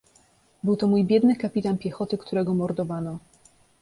"Był to mój biedny kapitan piechoty, którego mordowano."